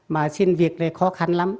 mà xin việc thì khó khăn lắm